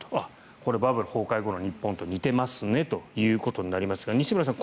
これ、バブル崩壊後の日本と似ていますねということになりますが西村さん